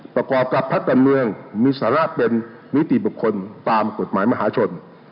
ประกอบกับพักการเมืองมีสาระเป็นนิติบุคคลตามกฎหมายมหาชน